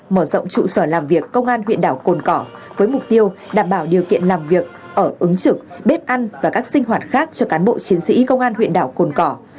mở rộng trụ sở làm việc công an huyện đảo cồn cỏ với mục tiêu đảm bảo điều kiện làm việc ở ứng trực bếp ăn và các sinh hoạt khác cho cán bộ chiến sĩ công an huyện đảo cồn cỏ